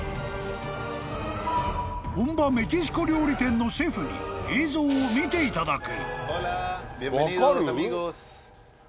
［本場メキシコ料理店のシェフに映像を見ていただく］